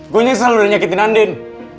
gue nyesel udah nyakitin andin